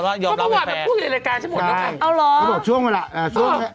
ก็บอกว่าพูดในรายการใช่ไหม